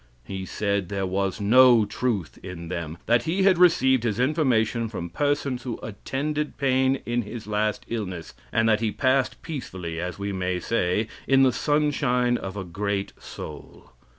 He said there was no truth in them; that he had received his information from persons who attended Paine in his last illness, and that he passed peacefully, as we may say, in the sunshine of a great soul.